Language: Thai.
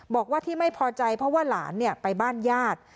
บอกว่าที่ไม่พอใจเพราะว่าหลานไปบ้านญาติ